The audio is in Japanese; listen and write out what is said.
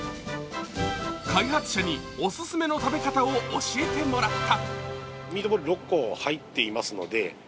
開発者にお勧めの食べ方を教えてもらった。